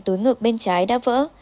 túi ngực bên trái đã vỡ